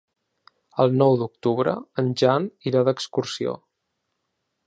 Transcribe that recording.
El nou d'octubre en Jan irà d'excursió.